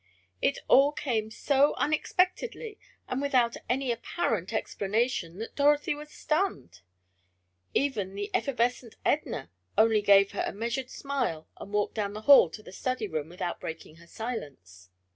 It all came so unexpectedly, and without any apparent explanation, that Dorothy was stunned even the effervescent Edna only gave her a measured smile and walked down the hall to the study room without breaking her silence.